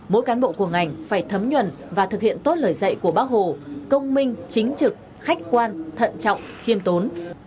mỗi cán bộ của ngành phải thấm nhuần và thực hiện tốt lời dạy của bác hồ công minh chính trực khách quan thận trọng khiêm tốn